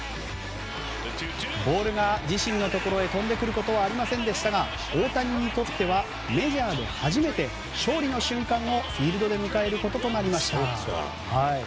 ボールが自身のところへ飛んでくることはありませんでしたが大谷にとってはメジャーで初めて勝利の瞬間をフィールドで迎えることとなりました。